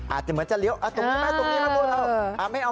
อาจจะเหมือนจะเลี้ยวตรงนี้ไปตรงนี้ไป